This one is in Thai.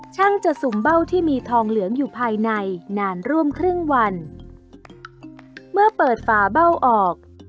ช่างจะสุ่มเบ้าที่มีทองเหลืองอยู่ภายในนานร่วมครึ่งวันเมื่อเปิดฝาเบ้าออก